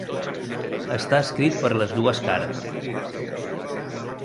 Està escrit per les dues cares.